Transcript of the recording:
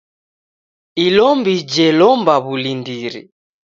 Ilombi jelomba w'ulindiri.